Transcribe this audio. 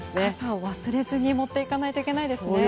傘を忘れずに持っていかないといけないです。